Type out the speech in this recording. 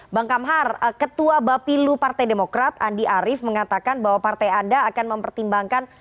bang kamhar ketua bapilu partai demokrat andi arief mengatakan bahwa partai anda akan mempertimbangkan